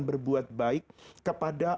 berbuat baik kepada